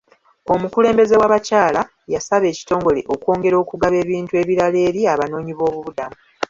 Omukulembeze w'abakyala yasaba ekitongole okwongera okugaba ebintu ebirala eri abanoonyiboobubudamu.